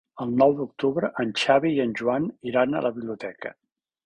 El nou d'octubre en Xavi i en Joan iran a la biblioteca.